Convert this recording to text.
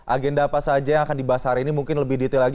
agenda apa saja yang akan dibahas hari ini mungkin lebih detail lagi